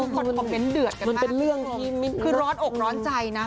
คอนโปรเมนต์เดือดกันมากคือร้อนอกร้อนใจนะครับ